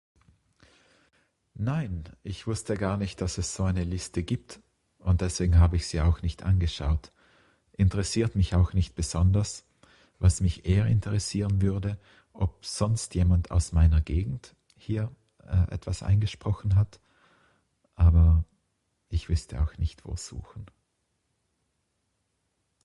Nein, ich wusste gar nicht das es so eine Liste gibt und deswegen hab ich Sie auch nicht angeschaut. Interessiert mich auch nicht besonders, was mich eher interessieren würde, ob sonst jemand aus meiner Gegend hier eh etwas eingesprochen hat aber ich wüsste auch nicht wo suchen.